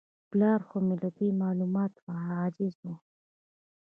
پلار خو مې له دې معلوماتو عاجز و.